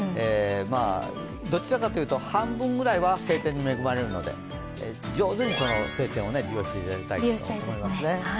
どちらかというと半分ぐらいは晴天に恵まれるので上手に、その晴天を利用していただきたいと思います。